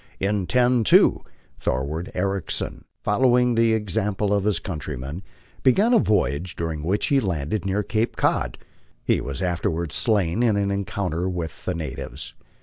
In 1002, Thorwald Ericsson, following the example of his countrymen, began a voyage, during which he landed near Cape Cod. He was afterward slain in an encounter with the natives.